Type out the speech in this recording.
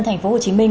thành phố hồ chí minh